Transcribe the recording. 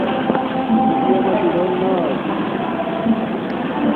نِکݵ یݳ مَشُݸ لݵل نݳ.